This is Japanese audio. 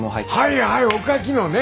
はいはいおかきのね。